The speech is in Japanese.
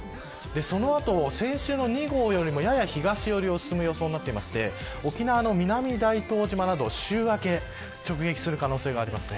その後、先週の２号よりもやや東寄りを進む予想になっていて沖縄の南大東島を週明け直撃する可能性があります。